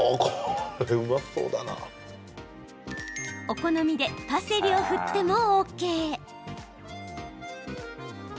お好みでパセリを振ってもＯＫ。